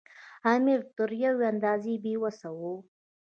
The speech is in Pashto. امیر تر یوې اندازې بې وسه وو.